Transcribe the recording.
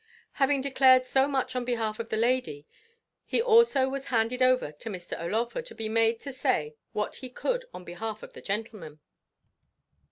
Having declared so much on behalf of the lady, he also was handed over to Mr. O'Laugher to be made to say what he could on behalf of the gentleman.